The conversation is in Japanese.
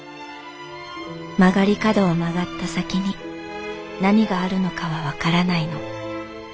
「曲がり角を曲がった先に何があるのかは分からないの。